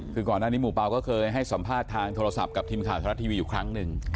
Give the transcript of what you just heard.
คือก่อนหน้านี้หมู่เปล่าก็เคยให้สัมภาษณ์ทางโทรศัพท์กับทีมข่าวไทยรัฐทีวีอยู่ครั้งหนึ่ง